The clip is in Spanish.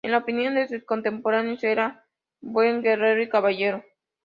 En la opinión de sus contemporáneos, era buen guerrero y caballero.